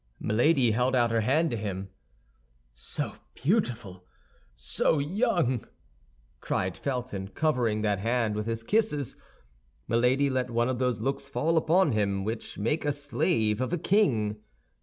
Milady held out her hand to him. "So beautiful! so young!" cried Felton, covering that hand with his kisses. Milady let one of those looks fall upon him which make a slave of a king.